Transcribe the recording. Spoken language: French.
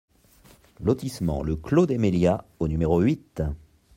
Lotissement Le Clos des Melias au numéro huit